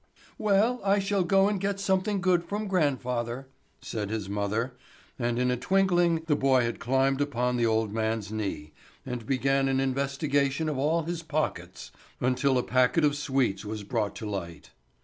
"Well, I shall go and get something good from grandfather!" said his mother; and in a twinkling the boy had climbed upon the old man's knee, and began an investigation of all his pockets, until a packet of sweets was brought to light.